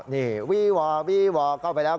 นี่วีวอวี่วอเข้าไปแล้ว